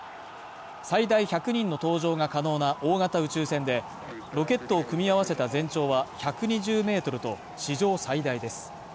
最大１００人の搭乗が可能な大型宇宙船でロケットを組み合わせた全長は１２０ｍと史上最大です。